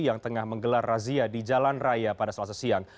yang tengah menggelar razia di jalan raya pada selasa siang